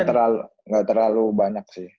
tapi gak terlalu banyak sih